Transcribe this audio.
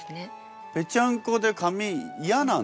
ぺちゃんこで髪嫌なんだもん。